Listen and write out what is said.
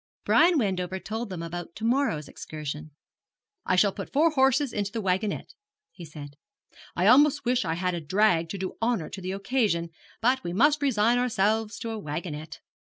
Brian Wendover told them about to morrow's excursion. 'I shall put four horses into the wagonette,' he said. 'I almost wish I had a drag to do honour to the occasion; but we must resign ourselves to a wagonette.